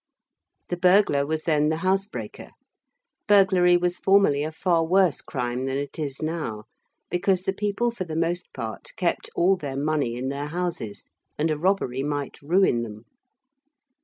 The burglar was then the housebreaker. Burglary was formerly a far worse crime than it is now, because the people for the most part kept all their money in their houses, and a robbery might ruin them.